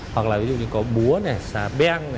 hoặc là ví dụ như có búa này xà beng này